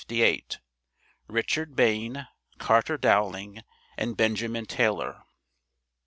RICHARD BAYNE, CARTER DOWLING AND BENJAMIN TAYLOR.